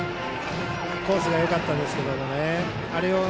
コースがよかったですけど。